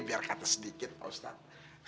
biar kata sedikit pak ustadz